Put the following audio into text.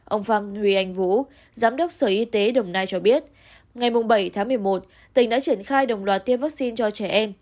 ông phạm huy anh vũ giám đốc sở y tế đồng nai cho biết ngày bảy tháng một mươi một tỉnh đã triển khai đồng loạt tiêm vaccine cho trẻ em